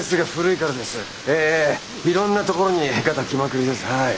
いろんなところにガタきまくりですはい。